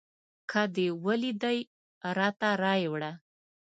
که دې ولیدی راته رایې وړه